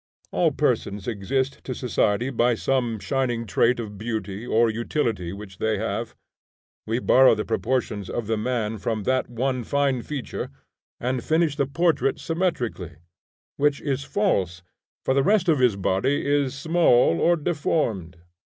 All persons exist to society by some shining trait of beauty or utility which they have. We borrow the proportions of the man from that one fine feature, and finish the portrait symmetrically; which is false, for the rest of his body is small or deformed.